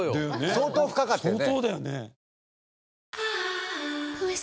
相当深かったよね。